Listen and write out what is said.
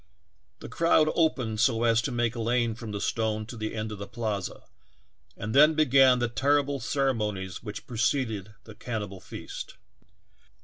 The crowd opened so as to make a lane from the stone to the end of the plaza, and then began the ter rible ceremonies which preceded the cannibal feast.